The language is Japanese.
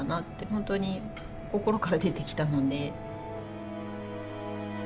本当に心から出てきたので。